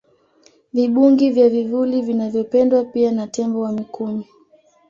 Vibungi vya vivuli vinavyopendwa pia na tembo wa Mikumi